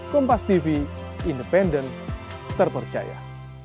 kompas tv independen terpercaya